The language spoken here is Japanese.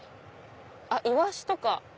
あっ「イワシ」とか。